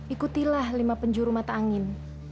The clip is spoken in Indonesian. ikutilah lima penjuru mata angin